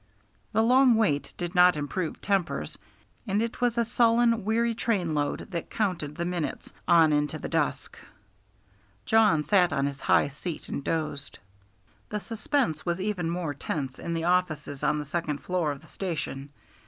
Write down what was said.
The long wait did not improve tempers, and it was a sullen, weary train load that counted the minutes on into the dusk. Jawn sat on his high seat and dozed. The suspense was even more tense in the offices on the second floor of the station.